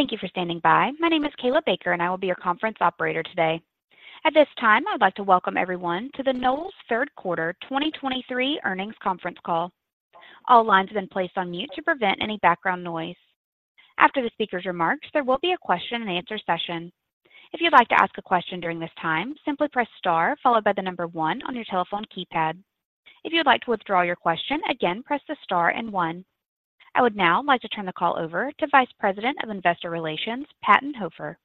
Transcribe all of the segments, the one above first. Thank you for standing by. My name is Kayla Baker, and I will be your conference operator today. At this time, I'd like to welcome everyone to the Knowles Third Quarter 2023 Earnings Conference Call. All lines have been placed on mute to prevent any background noise. After the speaker's remarks, there will be a question-and-answer session. If you'd like to ask a question during this time, simply press star followed by the number one on your telephone keypad. If you'd like to withdraw your question again, press the star and one. I would now like to turn the call over to Vice President of Investor Relations, Patton Hofer.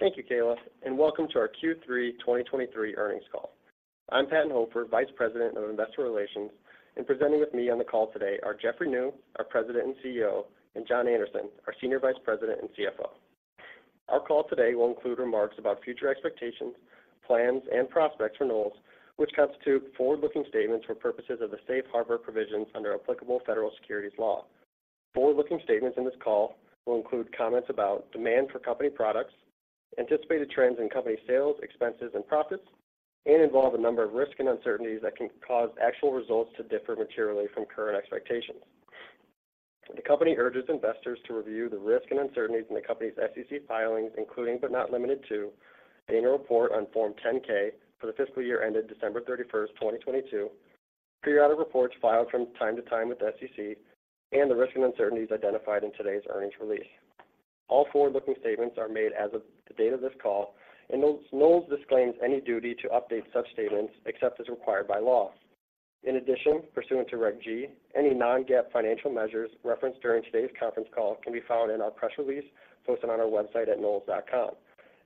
Thank you, Kayla, and welcome to our Q3 2023 earnings call. I'm Patton Hofer, Vice President of Investor Relations, and presenting with me on the call today are Jeffrey Niew, our President and CEO, and John Anderson, our Senior Vice President and CFO. Our call today will include remarks about future expectations, plans, and prospects for Knowles, which constitute forward-looking statements for purposes of the safe harbor provisions under applicable federal securities law. Forward-looking statements in this call will include comments about demand for company products, anticipated trends in company sales, expenses, and profits, and involve a number of risks and uncertainties that can cause actual results to differ materially from current expectations. The company urges investors to review the risks and uncertainties in the company's SEC filings, including, but not limited to, annual report on Form 10-K for the fiscal year ended December 31, 2022, periodic reports filed from time to time with the SEC, and the risks and uncertainties identified in today's earnings release. All forward-looking statements are made as of the date of this call, and Knowles disclaims any duty to update such statements except as required by law. In addition, pursuant to Reg G, any non-GAAP financial measures referenced during today's conference call can be found in our press release posted on our website at knowles.com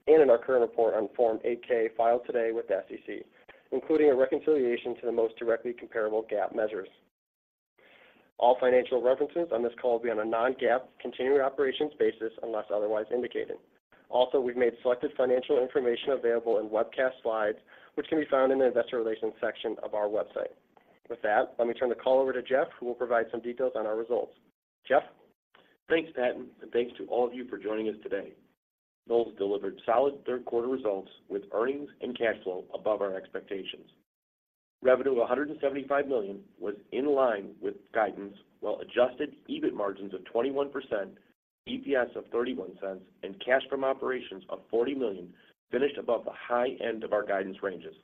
and in our current report on Form 8-K, filed today with the SEC, including a reconciliation to the most directly comparable GAAP measures. All financial references on this call will be on a non-GAAP continuing operations basis, unless otherwise indicated. Also, we've made selected financial information available in webcast slides, which can be found in the investor relations section of our website. With that, let me turn the call over to Jeff, who will provide some details on our results. Jeff? Thanks, Patton, and thanks to all of you for joining us today. Knowles delivered solid third quarter results, with earnings and cash flow above our expectations. Revenue of $175 million was in line with guidance, while Adjusted EBIT margins of 21%, EPS of $0.31, and cash from operations of $40 million finished above the high end of our guidance ranges.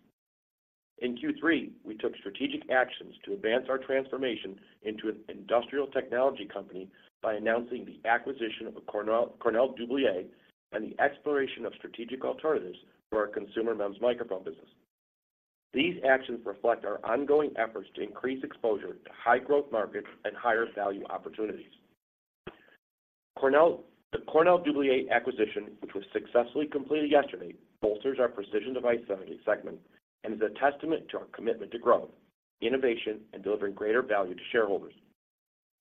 In Q3, we took strategic actions to advance our transformation into an industrial technology company by announcing the acquisition of Cornell Dubilier and the exploration of strategic alternatives for our Consumer MEMS Microphone business. These actions reflect our ongoing efforts to increase exposure to high-growth markets and higher value opportunities. The Cornell Dubilier acquisition, which was successfully completed yesterday, bolsters our Precision Device segment, and is a testament to our commitment to growth, innovation, and delivering greater value to shareholders.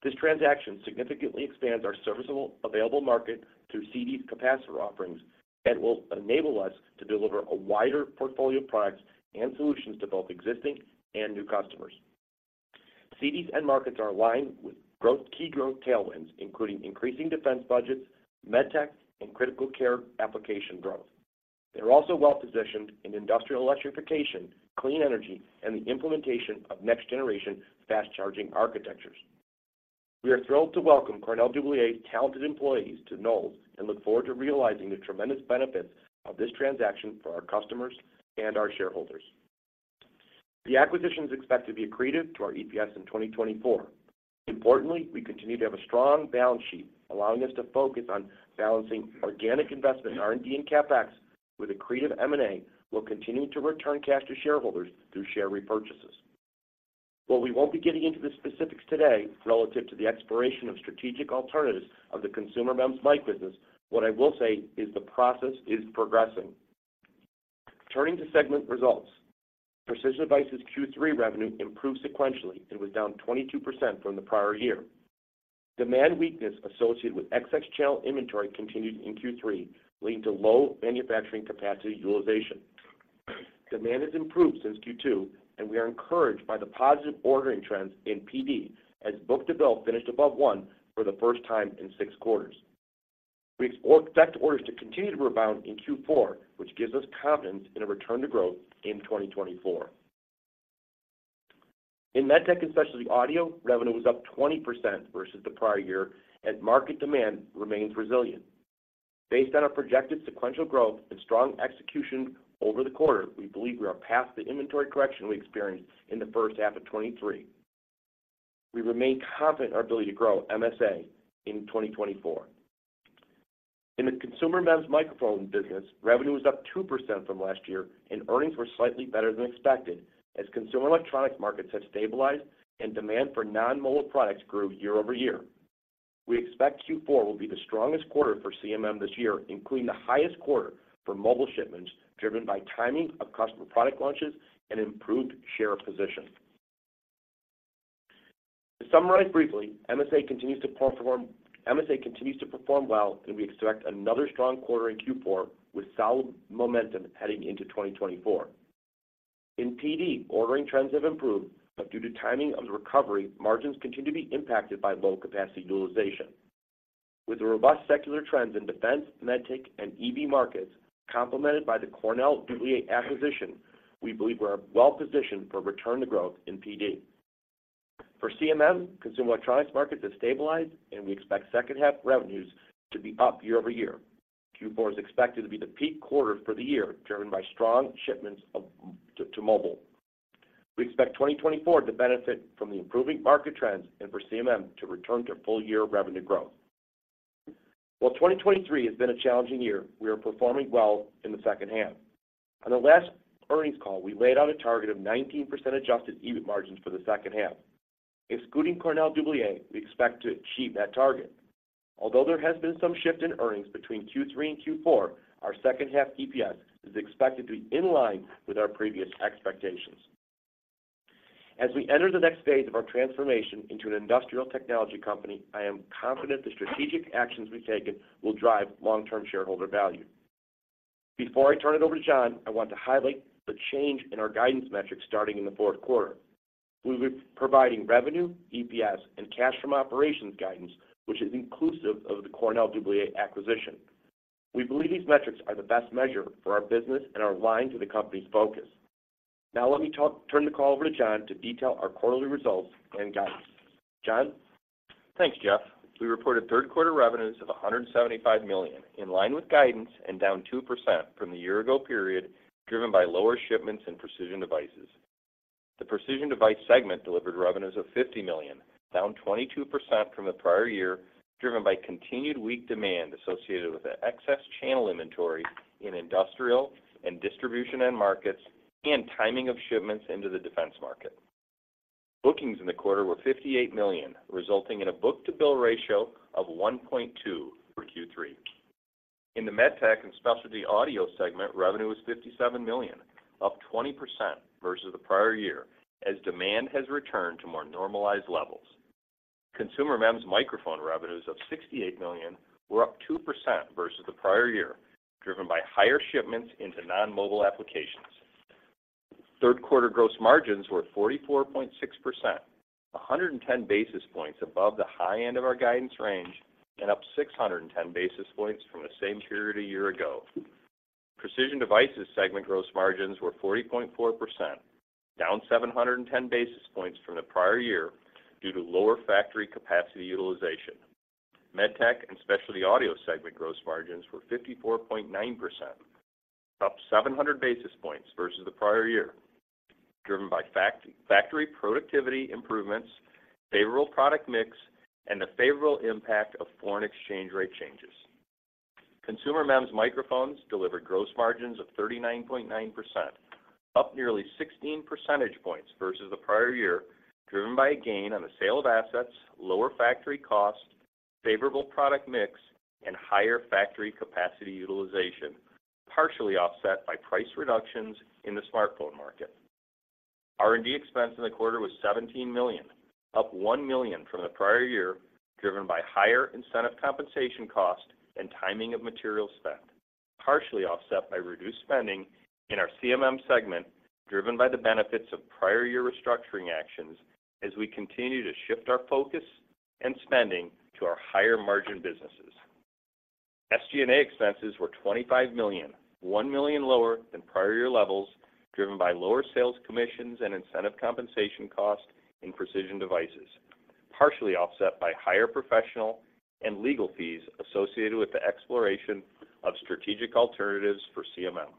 This transaction significantly expands our serviceable available market through CD's capacitor offerings and will enable us to deliver a wider portfolio of products and solutions to both existing and new customers. CD's end markets are aligned with growth, key growth tailwinds, including increasing defense budgets, medtech, and critical care application growth. They're also well-positioned in industrial electrification, clean energy, and the implementation of next-generation fast-charging architectures. We are thrilled to welcome Cornell Dubilier's talented employees to Knowles and look forward to realizing the tremendous benefits of this transaction for our customers and our shareholders. The acquisition is expected to be accretive to our EPS in 2024. Importantly, we continue to have a strong balance sheet, allowing us to focus on balancing organic investment in R&D and CapEx, with accretive M&A, while continuing to return cash to shareholders through share repurchases. While we won't be getting into the specifics today relative to the exploration of strategic alternatives of the Consumer MEMS Mic business, what I will say is the process is progressing. Turning to segment results, Precision Devices Q3 revenue improved sequentially and was down 22% from the prior year. Demand weakness associated with excess channel inventory continued in Q3, leading to low manufacturing capacity utilization. Demand has improved since Q2, and we are encouraged by the positive ordering trends in PD, as book-to-bill finished above one for the first time in six quarters. We expect orders to continue to rebound in Q4, which gives us confidence in a return to growth in 2024. In MedTech & Specialty Audio, revenue was up 20% versus the prior year, and market demand remains resilient. Based on our projected sequential growth and strong execution over the quarter, we believe we are past the inventory correction we experienced in the first half of 2023. We remain confident in our ability to grow MSA in 2024. In the Consumer MEMS Microphone business, revenue was up 2% from last year, and earnings were slightly better than expected, as consumer electronics markets have stabilized and demand for non-mobile products grew year-over-year. We expect Q4 will be the strongest quarter for CMM this year, including the highest quarter for mobile shipments, driven by timing of customer product launches and improved share position. To summarize briefly, MSA continues to perform well, and we expect another strong quarter in Q4, with solid momentum heading into 2024. In PD, ordering trends have improved, but due to timing of the recovery, margins continue to be impacted by low capacity utilization. With the robust secular trends in defense, medtech, and EV markets, complemented by the Cornell Dubilier acquisition, we believe we are well positioned for return to growth in PD. For CMM, consumer electronics market has stabilized, and we expect second half revenues to be up year-over-year. Q4 is expected to be the peak quarter for the year, driven by strong shipments to mobile. We expect 2024 to benefit from the improving market trends and for CMM to return to full-year revenue growth. While 2023 has been a challenging year, we are performing well in the second half. On the last earnings call, we laid out a target of 19% adjusted EBIT margins for the second half. Excluding Cornell Dubilier, we expect to achieve that target. Although there has been some shift in earnings between Q3 and Q4, our second half EPS is expected to be in line with our previous expectations. As we enter the next phase of our transformation into an industrial technology company, I am confident the strategic actions we've taken will drive long-term shareholder value. Before I turn it over to John, I want to highlight the change in our guidance metrics starting in the fourth quarter. We will be providing revenue, EPS, and cash from operations guidance, which is inclusive of the Cornell Dubilier acquisition. We believe these metrics are the best measure for our business and are aligned to the company's focus. Now let me turn the call over to John to detail our quarterly results and guidance. John? Thanks, Jeff. We reported third quarter revenues of $175 million, in line with guidance and down 2% from the year ago period, driven by lower shipments in Precision Devices. The Precision Devices segment delivered revenues of $50 million, down 22% from the prior year, driven by continued weak demand associated with the excess channel inventory in industrial and distribution end markets and timing of shipments into the defense market. Bookings in the quarter were $58 million, resulting in a book-to-bill ratio of 1.2 for Q3. In the MedTech & Specialty Audio segment, revenue was $57 million, up 20% versus the prior year, as demand has returned to more normalized levels. Consumer MEMS Microphone revenues of $68 million were up 2% versus the prior year, driven by higher shipments into non-mobile applications. Third quarter gross margins were 44.6%, 110 basis points above the high end of our guidance range, and up 610 basis points from the same period a year ago. Precision Devices segment gross margins were 40.4%, down 710 basis points from the prior year due to lower factory capacity utilization. MedTech & Specialty Audio segment gross margins were 54.9%, up 700 basis points versus the prior year, driven by factory productivity improvements, favorable product mix, and the favorable impact of foreign exchange rate changes. Consumer MEMS Microphones delivered gross margins of 39.9%, up nearly 16 percentage points versus the prior year, driven by a gain on the sale of assets, lower factory cost, favorable product mix, and higher factory capacity utilization, partially offset by price reductions in the smartphone market. R&D expense in the quarter was $17 million, up $1 million from the prior year, driven by higher incentive compensation cost and timing of material spend, partially offset by reduced spending in our CMM segment, driven by the benefits of prior year restructuring actions as we continue to shift our focus and spending to our higher-margin businesses. SG&A expenses were $25 million, $1 million lower than prior year levels, driven by lower sales commissions and incentive compensation costs in Precision Devices, partially offset by higher professional and legal fees associated with the exploration of strategic alternatives for CMM.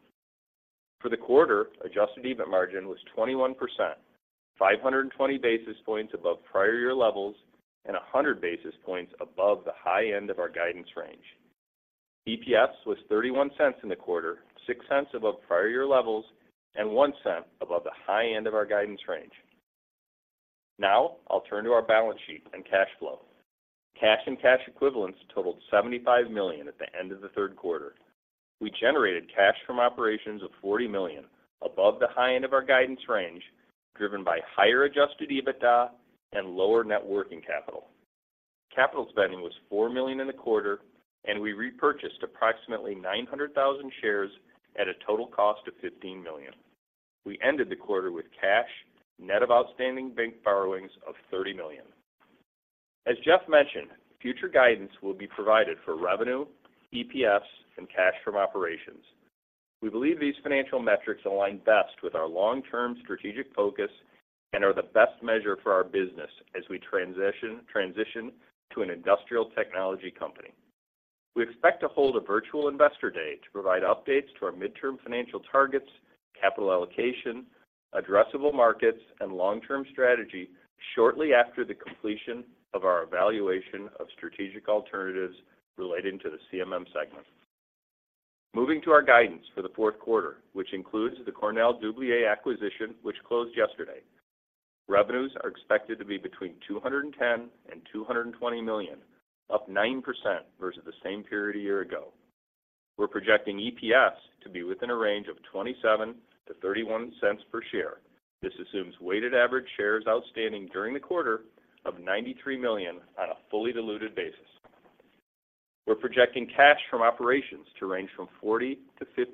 For the quarter, adjusted EBIT margin was 21%, 520 basis points above prior year levels, and 100 basis points above the high end of our guidance range. EPS was $0.31 in the quarter, $0.06 above prior year levels, and $0.01 above the high end of our guidance range. Now, I'll turn to our balance sheet and cash flow. Cash and cash equivalents totaled $75 million at the end of the third quarter. We generated cash from operations of $40 million, above the high end of our guidance range, driven by higher adjusted EBITDA and lower net working capital. Capital spending was $4 million in the quarter, and we repurchased approximately 900,000 shares at a total cost of $15 million. We ended the quarter with cash, net of outstanding bank borrowings, of $30 million. As Jeff mentioned, future guidance will be provided for revenue, EPS, and cash from operations. We believe these financial metrics align best with our long-term strategic focus and are the best measure for our business as we transition to an industrial technology company. We expect to hold a virtual Investor Day to provide updates to our midterm financial targets, capital allocation, addressable markets, and long-term strategy shortly after the completion of our evaluation of strategic alternatives relating to the CMM segment. Moving to our guidance for the fourth quarter, which includes the Cornell Dubilier acquisition, which closed yesterday. Revenues are expected to be between $210 million and $220 million, up 9% versus the same period a year ago. We're projecting EPS to be within a range of $0.27-$0.31 per share. This assumes weighted average shares outstanding during the quarter of 93 million on a fully diluted basis. We're projecting cash from operations to range from $40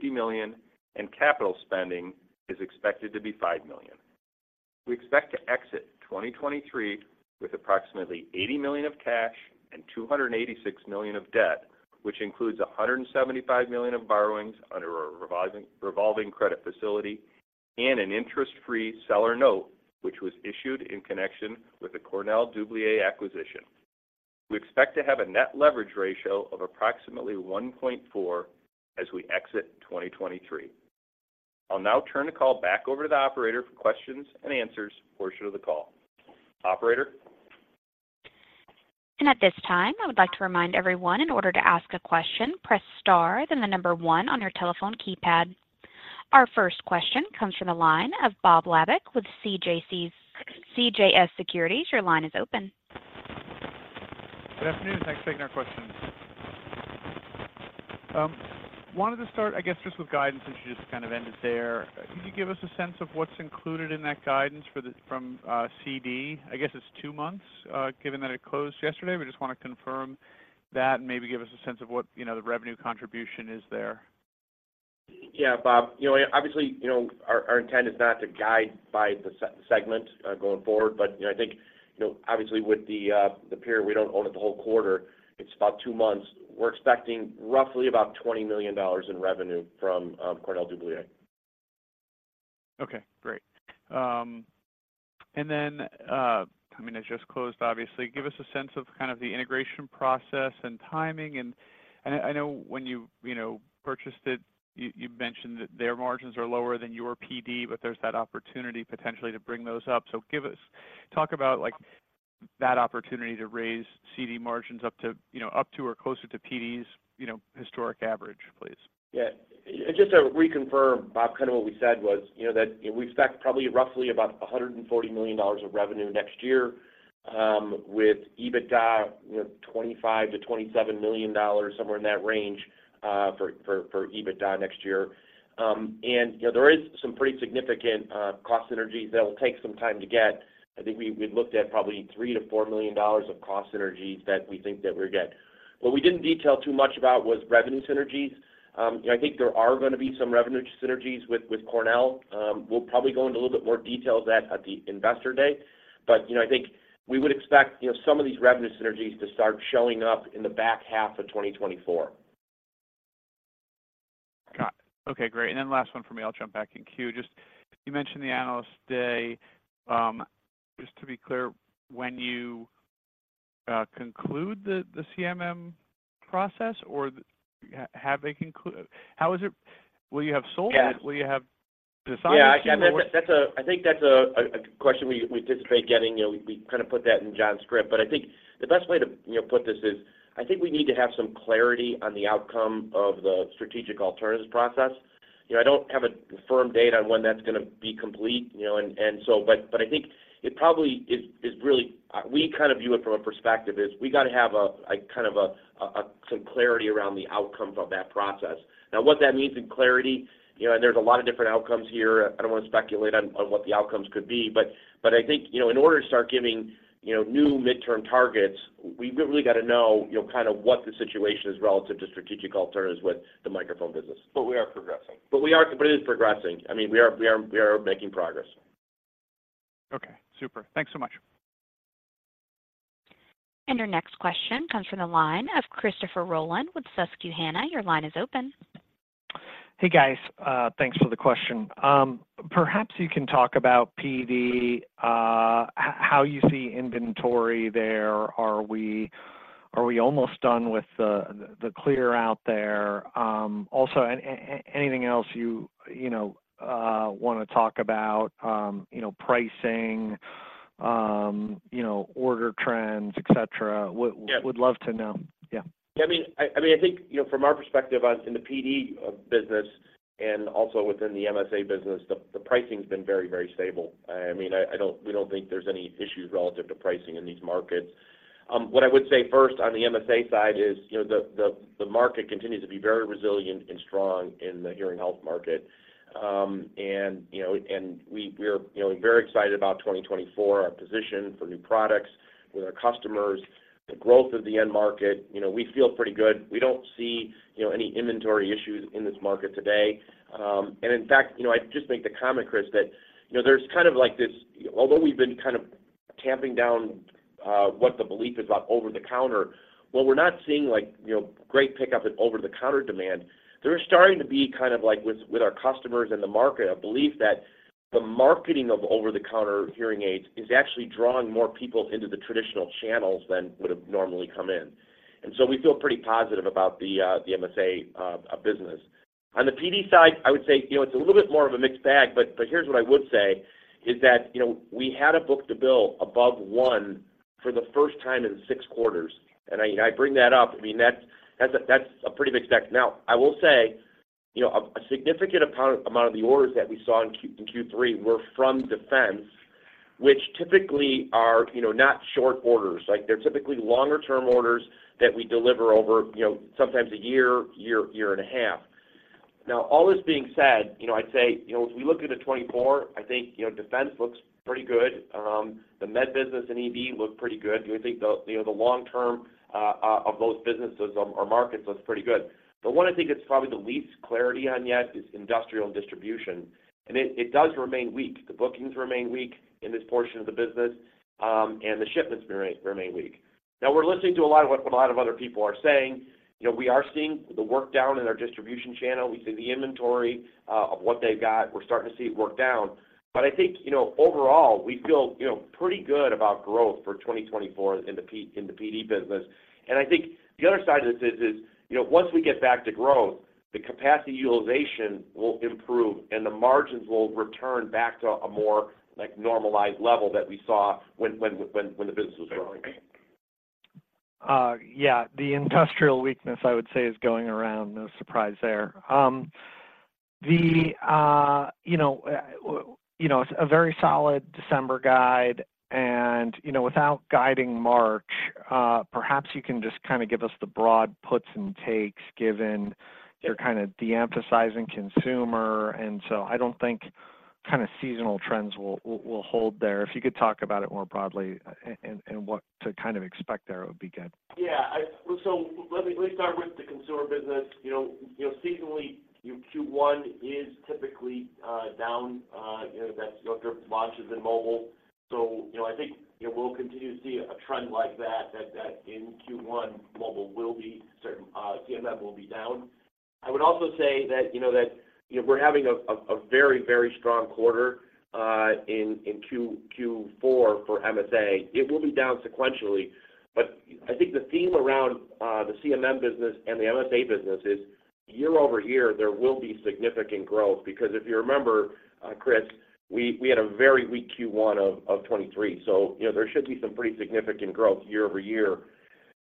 million-$50 million, and capital spending is expected to be $5 million. We expect to exit 2023 with approximately $80 million of cash and $286 million of debt which includes $175 million of borrowings under a revolving credit facility and an interest-free seller note, which was issued in connection with the Cornell Dubilier acquisition. We expect to have a net leverage ratio of approximately 1.4 as we exit 2023. I'll now turn the call back over to the operator for questions and answers portion of the call. Operator? At this time, I would like to remind everyone, in order to ask a question, press star, then the number one on your telephone keypad. Our first question comes from the line of Bob Labick with CJS Securities. Your line is open. Good afternoon. Thanks for taking our questions. Wanted to start, I guess, just with guidance, since you just kind of ended there. Could you give us a sense of what's included in that guidance for the from, CD? I guess it's two months, given that it closed yesterday. We just want to confirm that and maybe give us a sense of what, you know, the revenue contribution is there. Yeah, Bob, you know, obviously, you know, our intent is not to guide by the segment, going forward, but, you know, I think, you know, obviously, with the period, we don't own it the whole quarter. It's about two months. We're expecting roughly about $20 million in revenue from Cornell Dubilier. Okay, great. And then, I mean, it just closed, obviously. Give us a sense of kind of the integration process and timing, and I know when you, you know, purchased it, you mentioned that their margins are lower than your PD, but there's that opportunity potentially to bring those up. So give us, talk about, like, that opportunity to raise CD margins up to, you know, up to or closer to PD's, you know, historic average, please. Yeah. And just to reconfirm, Bob, kind of what we said was, you know, that we expect probably roughly about $140 million of revenue next year, with EBITDA, you know, $25 million-$27 million, somewhere in that range, for EBITDA next year. And, you know, there is some pretty significant cost synergies that will take some time to get. I think we, we looked at probably $3 million-$4 million of cost synergies that we think that we're getting. What we didn't detail too much about was revenue synergies. You know, I think there are gonna be some revenue synergies with, with Cornell. We'll probably go into a little bit more detail of that at the Investor Day. You know, I think we would expect, you know, some of these revenue synergies to start showing up in the back half of 2024. Got it. Okay, great. And then last one for me, I'll jump back in queue. Just, you mentioned the Analyst Day. Just to be clear, when you conclude the CMM process or the, how is it, Will you have sold it? Yeah. Will you have decided Yeah, I mean, that's a question we anticipate getting. You know, we kind of put that in John's script, but I think the best way to, you know, put this is, I think we need to have some clarity on the outcome of the strategic alternatives process. You know, I don't have a firm date on when that's gonna be complete, you know, and so. But I think it probably is really, we kind of view it from a perspective is, we got to have a, like, kind of a some clarity around the outcome of that process. Now, what that means in clarity, you know, and there's a lot of different outcomes here. I don't want to speculate on what the outcomes could be, but I think, you know, in order to start giving, you know, new midterm targets, we've really got to know, you know, kind of what the situation is relative to strategic alternatives with the Microphone business. But we are progressing. But it is progressing. I mean, we are making progress. Okay, super. Thanks so much. Our next question comes from the line of Christopher Rolland with Susquehanna. Your line is open. Hey, guys, thanks for the question. Perhaps you can talk about PD, how you see inventory there. Are we almost done with the clear out there? Also, anything else you know want to talk about, you know, pricing, you know, order trends, et cetera? Yeah. Would love to know. Yeah. Yeah, I mean, I think, you know, from our perspective in the PD business and also within the MSA business, the pricing has been very, very stable. I mean, we don't think there's any issues relative to pricing in these markets. What I would say first on the MSA side is, you know, the market continues to be very resilient and strong in the hearing health market. And, you know, we are, you know, very excited about 2024, our position for new products with our customers, the growth of the end market. You know, we feel pretty good. We don't see, you know, any inventory issues in this market today. And in fact, you know, I'd just make the comment, Chris, that, you know, there's kind of like this. Although, we've been kind of tamping down what the belief is about over-the-counter, well, we're not seeing like, you know, great pickup in over-the-counter demand. There is starting to be kind of like with our customers and the market, a belief that the marketing of over-the-counter hearing aids is actually drawing more people into the traditional channels than would have normally come in. And so we feel pretty positive about the MSA business. On the PD side, I would say, you know, it's a little bit more of a mixed bag, but here's what I would say, is that, you know, we had a book-to-bill above one for the first time in six quarters, and I bring that up. I mean, that's a pretty big step. Now, I will say, you know, a significant amount of the orders that we saw in Q3 were from defense, which typically are, you know, not short orders. Like, they're typically longer-term orders that we deliver over, you know, sometimes a year and a half. Now, all this being said, you know, I'd say, you know, as we look into 2024, I think, you know, defense looks pretty good. The Med business and EV look pretty good. We think the, you know, the long term of those businesses or markets looks pretty good. The one I think it's probably the least clarity on yet is industrial and distribution, and it does remain weak. The bookings remain weak in this portion of the business, and the shipments remain weak. Now we're listening to a lot of what a lot of other people are saying. You know, we are seeing the work down in our distribution channel. We see the inventory of what they've got. We're starting to see it work down. But I think, you know, overall, we feel, you know, pretty good about growth for 2024 in the P in the PD business. And I think the other side of this is, you know, once we get back to growth, the capacity utilization will improve, and the margins will return back to a more, like, normalized level that we saw when the business was growing. Yeah, the industrial weakness, I would say, is going around. No surprise there. You know, you know, a very solid December guide and, you know, without guiding March, perhaps you can just kind of give us the broad puts and takes, given you're kind of de-emphasizing consumer, and so I don't think kind of seasonal trends will hold there. If you could talk about it more broadly, and what to kind of expect there, it would be good. Yeah, so let me start with the consumer business. You know, seasonally, Q1 is typically down, you know, that's your launches in mobile. So, you know, I think, you know, we'll continue to see a trend like that in Q1, mobile will be certain, CMM will be down. I would also say that, you know, you know, we're having a very, very strong quarter in Q4 for MSA. It will be down sequentially, but I think the theme around the CMM business and the MSA business is, year-over-year, there will be significant growth, because if you remember, Chris, we had a very weak Q1 of 2023. So you know, there should be some pretty significant growth year-over-year.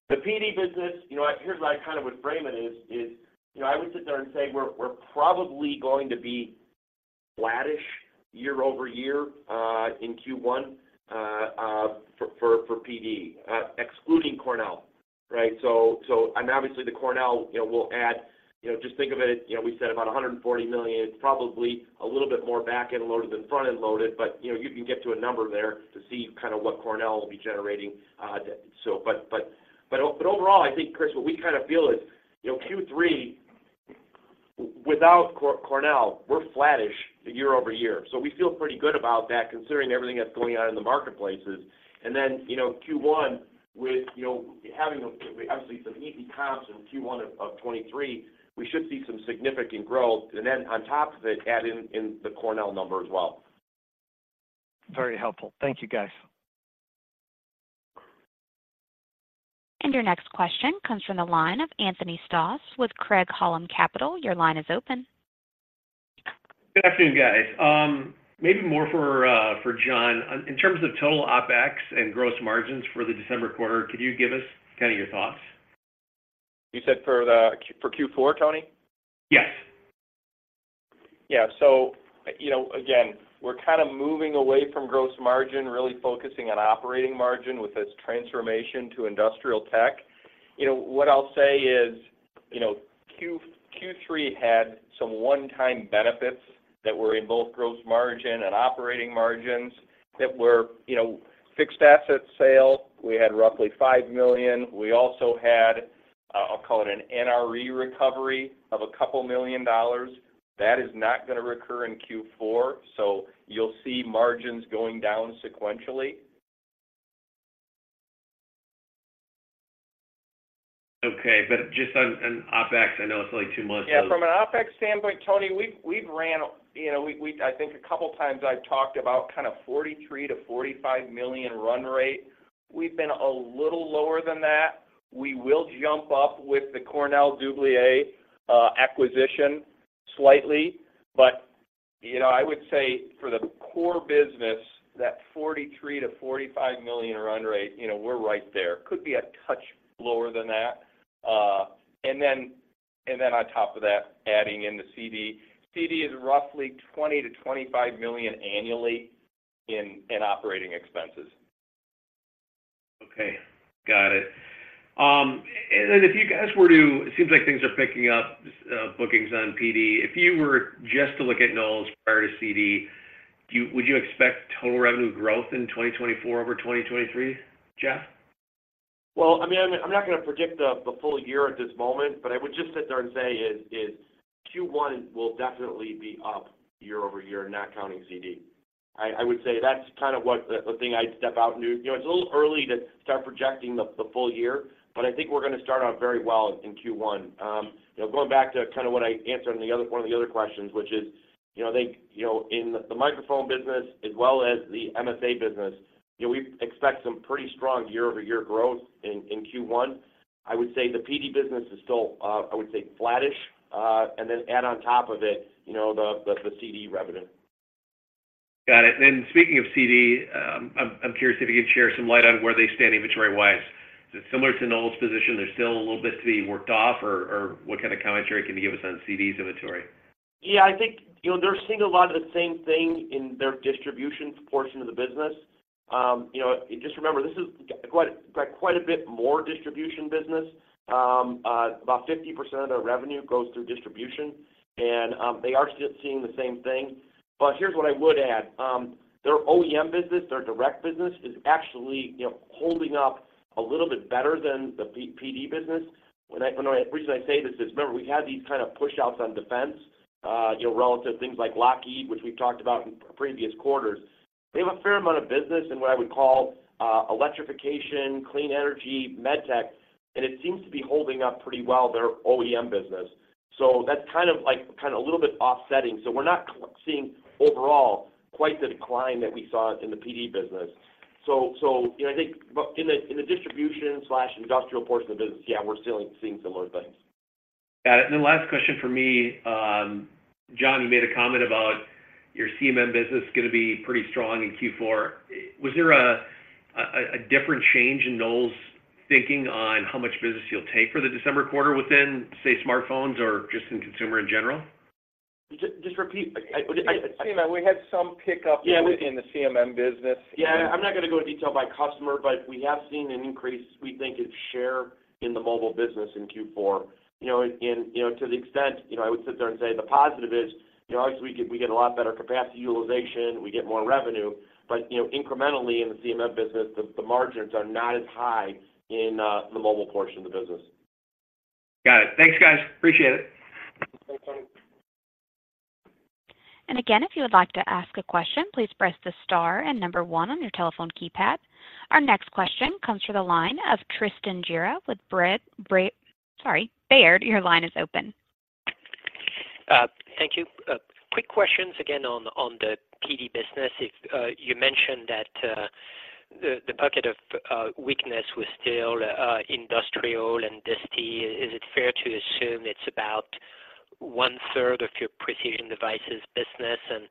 The PD business, you know, here's what I kind of would frame it is, you know, I would sit there and say, we're probably going to be flattish year-over-year in Q1 for PD, excluding Cornell, right? And obviously, the Cornell, you know, will add... You know, just think of it, you know, we said about $140 million, probably a little bit more back-end loaded than front-end loaded, but, you know, you can get to a number there to see kind of what Cornell will be generating. Overall, I think, Chris, what we kind of feel is, you know, Q3, without Cornell, we're flattish year-over-year. So we feel pretty good about that, considering everything that's going on in the marketplaces. And then, you know, Q1 with, you know, having, obviously, some easy comps in Q1 of 2023, we should see some significant growth. And then on top of it, add in the Cornell number as well. Very helpful. Thank you, guys. And your next question comes from the line of Anthony Stoss with Craig-Hallum Capital. Your line is open. Good afternoon, guys. Maybe more for, for John. In terms of total OpEx and gross margins for the December quarter, could you give us kind of your thoughts? You said for Q4, Tony? Yeah. Yeah. So, you know, again, we're kind of moving away from gross margin, really focusing on operating margin with this transformation to industrial tech. You know, what I'll say is, you know, Q3 had some one-time benefits that were in both gross margin and operating margins that were, you know, fixed asset sale. We had roughly $5 million. We also had, I'll call it an NRE recovery of a couple million dollars. That is not gonna recur in Q4, so you'll see margins going down sequentially. Okay. But just on OpEx, I know it's only two months old. Yeah, from an OpEx standpoint, Tony, we've ran, you know, I think a couple of times I've talked about kind of $43 million-$45 million run rate. We've been a little lower than that. We will jump up with the Cornell Dubilier acquisition slightly. But, you know, I would say for the core business, that $43 million-$45 million run rate, you know, we're right there. Could be a touch lower than that. And then on top of that, adding in the CD. CD is roughly $20 million-$25 million annually in operating expenses. Okay, got it. And then if you guys were to... It seems like things are picking up, bookings on PD. If you were just to look at Knowles prior to CD, would you expect total revenue growth in 2024 over 2023, Jeff? Well, I mean, I'm not gonna predict the full year at this moment, but I would just sit there and say Q1 will definitely be up year over year, not counting CD. I would say that's kind of what the thing I'd step out and do. You know, it's a little early to start projecting the full year, but I think we're gonna start out very well in Q1. You know, going back to kind of what I answered on one of the other questions, which is, you know, I think, you know, in the Microphone business as well as the MSA business, you know, we expect some pretty strong year-over-year growth in Q1. I would say the PD business is still, I would say, flattish, and then add on top of it, you know, the CD revenue. Got it. And speaking of CD, I'm curious if you could shed some light on where they stand inventory-wise. Is it similar to Knowles' position? There's still a little bit to be worked off, or what kind of commentary can you give us on CD's inventory? Yeah, I think, you know, they're seeing a lot of the same thing in their distribution portion of the business. You know, just remember, this is quite, quite a bit more distribution business. About 50% of their revenue goes through distribution, and they are still seeing the same thing. But here's what I would add. Their OEM business, their direct business, is actually, you know, holding up a little bit better than the PD business. And the reason I say this is, remember, we had these kind of pushouts on defense, relative to things like Lockheed, which we've talked about in previous quarters. They have a fair amount of business in what I would call electrification, clean energy, medtech, and it seems to be holding up pretty well, their OEM business. So that's kind of like, kind of a little bit offsetting. So we're not seeing overall quite the decline that we saw in the PD business. So, you know, I think, but in the distribution/industrial portion of the business, yeah, we're still seeing similar things. Got it. And then last question for me. John, you made a comment about your CMM business is gonna be pretty strong in Q4. Was there a different change in Knowles' thinking on how much business you'll take for the December quarter within, say, smartphones or just in consumer in general? Just repeat. I- CMM, we had some pickup- Yeah. in the CMM business. Yeah, I'm not gonna go into detail by customer, but we have seen an increase we think is share in the mobile business in Q4. You know, and, you know, to the extent, you know, I would sit there and say the positive is, you know, obviously, we get, we get a lot better capacity utilization, we get more revenue. But, you know, incrementally in the CMM business, the margins are not as high in the mobile portion of the business. Got it. Thanks, guys. Appreciate it. Thanks, Tony. And again, if you would like to ask a question, please press the star and number one on your telephone keypad. Our next question comes through the line of Tristan Gerra with Baird. Your line is open. Thank you. Quick questions again on the PD business. If you mentioned that the bucket of weakness was still industrial and disty, is it fair to assume it's about 1/3 of your Precision Devices business? And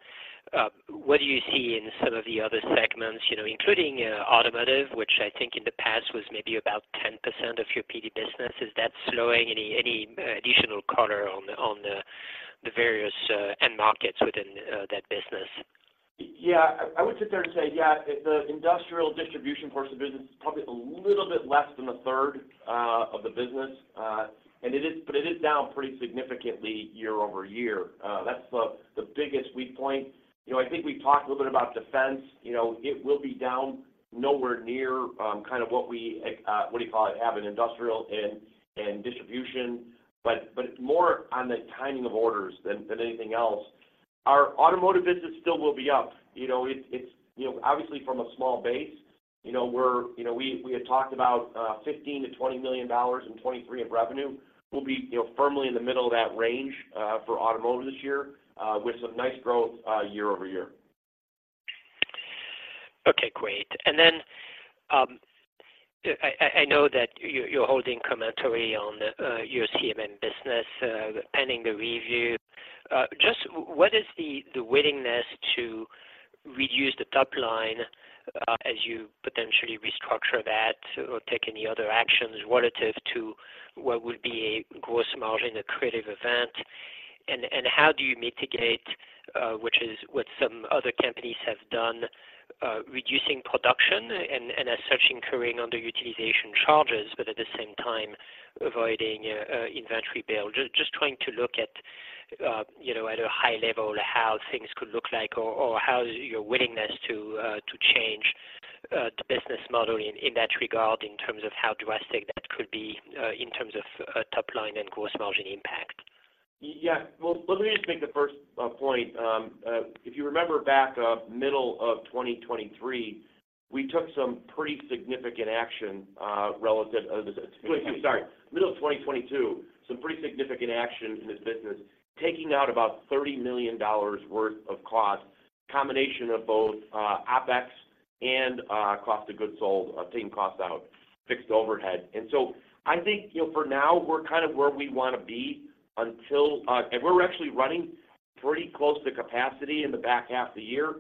what do you see in some of the other segments, you know, including automotive, which I think in the past was maybe about 10% of your PD business. Is that slowing? Any additional color on the various end markets within that business? Yeah, I would sit there and say, yeah, the industrial distribution portion of business is probably a little bit less than a third of the business. And it is, but it is down pretty significantly year-over-year. That's the biggest weak point. You know, I think we talked a little bit about defense. You know, it will be down nowhere near kind of what we what do you call it have in industrial and distribution, but more on the timing of orders than anything else. Our Automotive business still will be up. You know, it's you know, obviously from a small base. You know, we're you know, we had talked about $15 million-$20 million in 2023 of revenue. We'll be, you know, firmly in the middle of that range for automotive this year with some nice growth year-over-year. Okay, great. And then, I know that you're holding commentary on your CMM business, pending the review. Just what is the willingness to reduce the top line, as you potentially restructure that or take any other actions relative to what would be a gross margin accretive event? And how do you mitigate, which is what some other companies have done, reducing production and as such, incurring underutilization charges, but at the same time, avoiding inventory build? Just trying to look at, you know, at a high level, how things could look like or how your willingness to change the business model in that regard, in terms of how drastic that could be, in terms of top line and gross margin impact. Yeah. Well, let me just make the first point. If you remember back, middle of 2023, we took some pretty significant action, middle of 2022, some pretty significant action in this business, taking out about $30 million worth of cost, combination of both, OpEx and, cost of goods sold, taking costs out, fixed overhead. And so I think, you know, for now, we're kind of where we want to be until, and we're actually running pretty close to capacity in the back half of the year,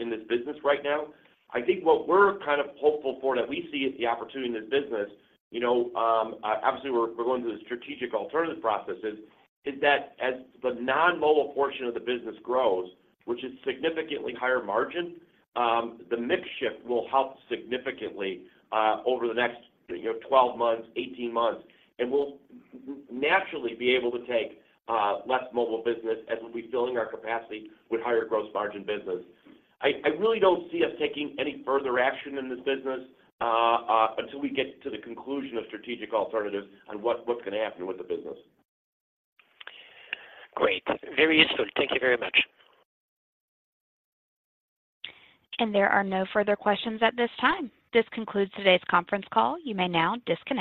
in this business right now. I think what we're kind of hopeful for, and that we see as the opportunity in this business, you know, obviously, we're going through the strategic alternative processes, is that as the non-mobile portion of the business grows, which is significantly higher margin, the mix shift will help significantly, over the next, you know, 12 months, 18 months. We'll naturally be able to take less mobile business as we'll be filling our capacity with higher gross margin business. I really don't see us taking any further action in this business until we get to the conclusion of strategic alternatives on what's gonna happen with the business. Great. Very useful. Thank you very much. There are no further questions at this time. This concludes today's conference call. You may now disconnect.